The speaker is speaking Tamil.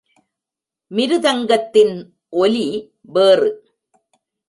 மிருதங்கத்தின் ஒலி வேறு.